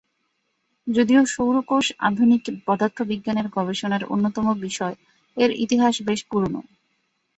যদিও সৌর কোষ আধুনিক পদার্থবিজ্ঞানের গবেষণার অন্যতম বিষয়, এর ইতিহাস বেশ পুরনো।